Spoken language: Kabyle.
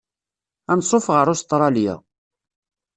Anṣuf ɣer Ustṛalya.